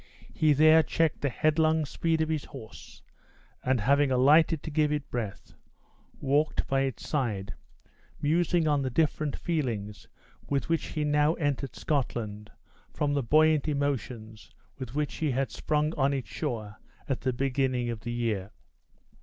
He there checked the headlong speed of his horse, and having alighted to give it breath, walked by its side, musing on the different feelings with which he now entered Scotland, from the buoyant emotions with which he had sprung on its shore at the beginning of the year.